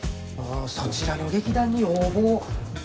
あの、そちらの劇団に応募。